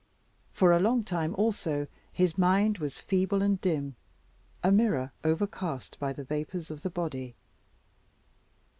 For a long time also his mind was feeble and dim, a mirror overcast by the vapours of the body.